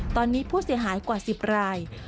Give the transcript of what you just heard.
ตอนนี้ผู้เสียหายกว่า๑๐ราย